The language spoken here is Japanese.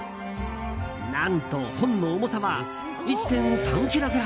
何と、本の重さは１．３ｋｇ！